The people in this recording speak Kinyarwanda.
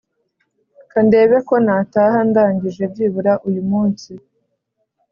Kandebe ko nataha ndangije byibura uyu munsi